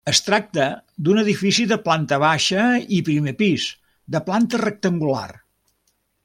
Es tracta d'un edifici de planta baixa i primer pis, de planta rectangular.